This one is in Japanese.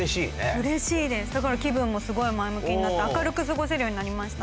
うれしいですだから気分もすごい前向きになって明るく過ごせるようになりました。